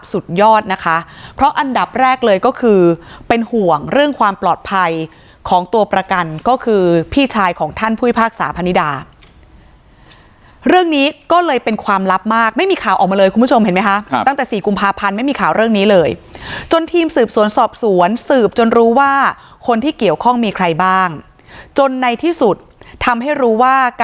สุดยอดนะคะเพราะอันดับแรกเลยก็คือเป็นห่วงเรื่องความปลอดภัยของตัวประกันก็คือพี่ชายของท่านผู้พิพากษาพนิดาเรื่องนี้ก็เลยเป็นความลับมากไม่มีข่าวออกมาเลยคุณผู้ชมเห็นไหมคะตั้งแต่สี่กุมภาพันธ์ไม่มีข่าวเรื่องนี้เลยจนทีมสืบสวนสอบสวนสืบจนรู้ว่าคนที่เกี่ยวข้องมีใครบ้างจนในที่สุดทำให้รู้ว่าก